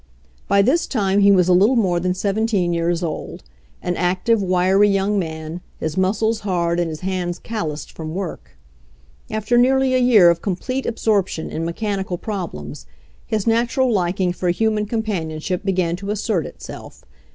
By this time he was a little more than 1 7 years old ; an active, wiry young man, his muscles hard and his hands calloused from work. After nearly a year of complete absorption in mechanical prob lems, his natural liking for human companion ship began to assert itself.